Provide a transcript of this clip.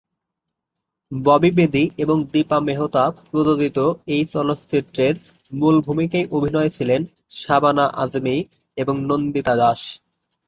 ববি বেদি এবং দীপা মেহতা প্রযোজিত এই চলচ্চিত্রের মূল ভূমিকায় অভিনয়ে ছিলেন, শাবানা আজমি এবং নন্দিতা দাস।